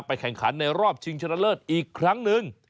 แข่งขันในรอบชิงชนะเลิศอีกครั้งหนึ่ง